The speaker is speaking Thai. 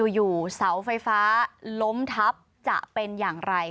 อยู่เสาไฟฟ้าล้มทับจะเป็นอย่างไร